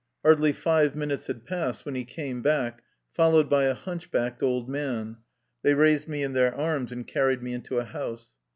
Hardly йте minutes had passed when he came back, fol lowed by a hunchbacked old man. They raised me in their arms, and carried me into a house.